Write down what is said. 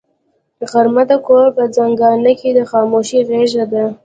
غرمه د کور په زنګانه کې د خاموشۍ غېږه ده